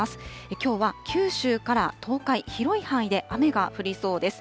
きょうは九州から東海、広い範囲で雨が降りそうです。